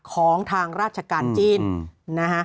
ของทางราชการจีน